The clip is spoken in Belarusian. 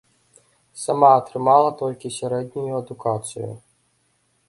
Сама атрымала толькі сярэднюю адукацыю.